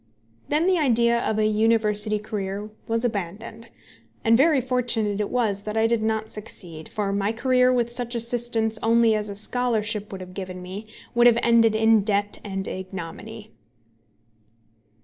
Then the idea of a university career was abandoned. And very fortunate it was that I did not succeed, for my career with such assistance only as a scholarship would have given me, would have ended in debt and ignominy.